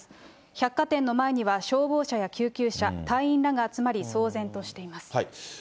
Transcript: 百貨店の前には消防車や救急車、隊員らが集まり、騒然としています。